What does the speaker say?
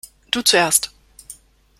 Du zuerst.